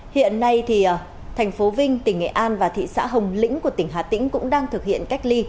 hiện nay thành phố vinh tỉnh nghệ an và thị xã hồng lĩnh của tỉnh hà tĩnh cũng đang thực hiện cách ly